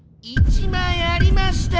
１枚ありました！